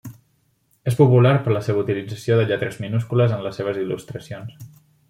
És popular per la seva utilització de lletres minúscules en les seves il·lustracions.